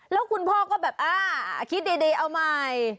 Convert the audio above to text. แล้วคุณพอก็คิดดีเอาใหม่